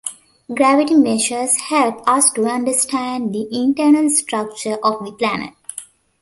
Gravity measures help us to understand the internal structure of the planet.